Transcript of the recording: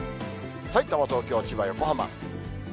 さいたま、東京、千葉、横浜。